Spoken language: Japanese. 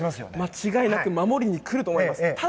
間違いなく守りに来ると思います。